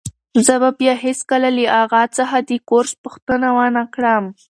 زه به بیا هیڅکله له اغا څخه د کورس پوښتنه ونه کړم.